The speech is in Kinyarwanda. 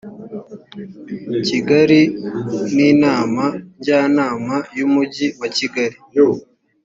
kigali n inama njyanama y umujyi wakigali